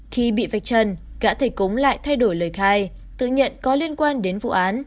khi bị vạch trần cả thầy cúng lại thay đổi lời khai tự nhận có liên quan đến vụ án